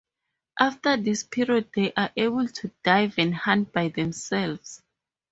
After this period, they are able to dive and hunt by themselves.